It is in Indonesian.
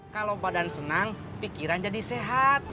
kalau badan senang pikiran jadi sehat